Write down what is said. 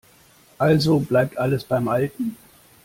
Also bleibt alles beim Alten.